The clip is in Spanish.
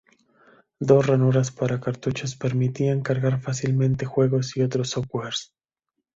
Dos ranuras para cartuchos permitían cargar fácilmente juegos y otros softwares.